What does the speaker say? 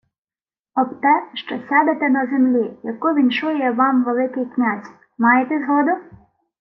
— Об те, що сядете на землі, яку віншує вам Великий князь. Маєте згоду?